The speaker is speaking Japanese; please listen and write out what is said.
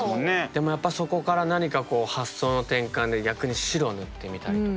でもやっぱそこから何か発想の転換で逆に白を塗ってみたりとか。